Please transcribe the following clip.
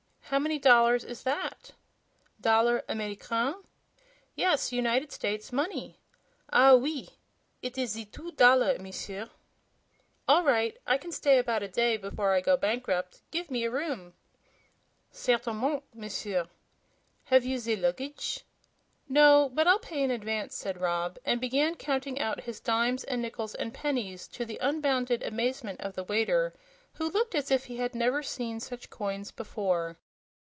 "How many dollars is that?" "Dollar Americaine?" "Yes; United States money." "Ah, OUI! Eet is ze two dollar, M'sieur." "All right; I can stay about a day before I go bankrupt. Give me a room." "CERTAINEMENT, M'sieur. Have you ze luggage?" "No; but I'll pay in advance," said Rob, and began counting out his dimes and nickles and pennies, to the unbounded amazement of the waiter, who looked as if he had never seen such coins before.